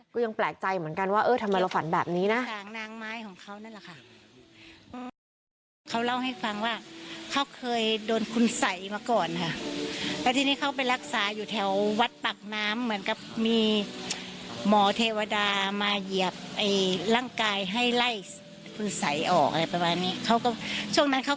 ก็ยังแปลกใจเหมือนกันว่าเออทำไมเราฝันแบบนี้นะ